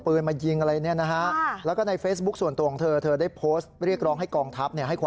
ผมคุ้นเลวไม่ได้แล้วแล้วไปหลอบตัว